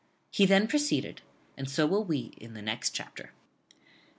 He then proceeded, and so will we in the next chapter.